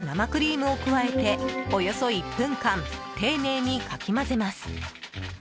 そこにミルクや生クリームを加えておよそ１分間丁寧にかき混ぜます。